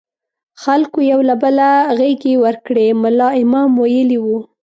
خلکو یو له بله غېږې ورکړې، ملا امام ویلي وو.